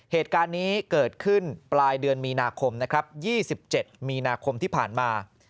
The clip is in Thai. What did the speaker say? เหตุการณ์นี้เกิดขึ้นปลายเดือนมีนาคมนะครับ๒๗มีนาคมที่ผ่านมา